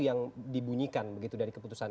yang dibunyikan begitu dari keputusan